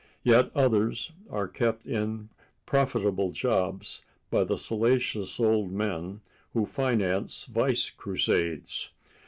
Yet others are kept in profitable jobs by the salacious old men who finance vice crusades.